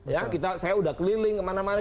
ya saya sudah keliling kemana mana